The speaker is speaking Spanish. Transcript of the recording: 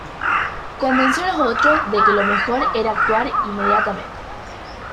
Convenció a los otros de que lo mejor era actuar inmediatamente.